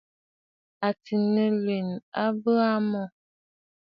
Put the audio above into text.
Àtì nɨlwèn a bə aa mû.